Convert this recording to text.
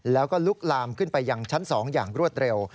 แล้วก็ลุกลามขึ้นไปยังชั้น๒อย่างรวดเร็ว